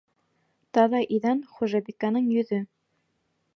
Таҙа иҙән — хужабикәнең йөҙө.